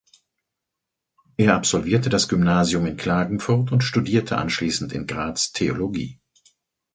Er absolvierte das Gymnasium in Klagenfurt und studierte anschließend in Graz Theologie.